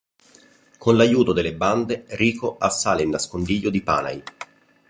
Con l'aiuto delle bande, Rico assale il nascondiglio di Panay.